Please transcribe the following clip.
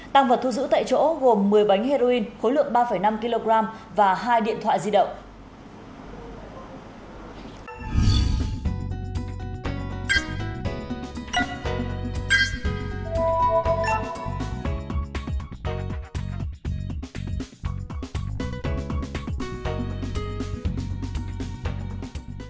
tăng vật thu giữ tại chỗ gồm một mươi bánh heroin khối lượng ba năm kg và hai điện thoại di động